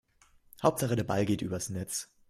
Hauptsache der Ball geht übers Netz.